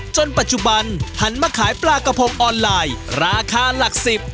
จนปัจจุบันหันมาขายปลากระพงออนไลน์ราคาหลักสิบ